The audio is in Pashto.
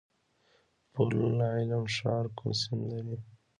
پل علم ښار کوم سیند لري؟